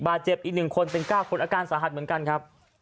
บาดเจ็บอีกหนึ่งคนเป็นเก้าคนอาการสาหัสเหมือนกันครับ